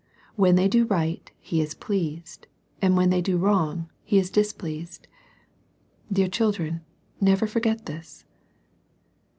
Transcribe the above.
When they do right He is pleased, and when they do wrong He is displeased. Dear children, never forget this.